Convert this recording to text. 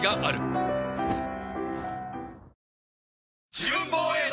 自分防衛団！